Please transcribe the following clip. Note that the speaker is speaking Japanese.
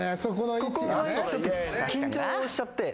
緊張しちゃって。